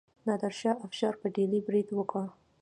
نادر شاه افشار په ډیلي برید وکړ.